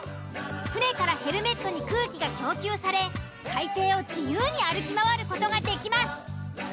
船からヘルメットに空気が供給され海底を自由に歩き回る事ができます。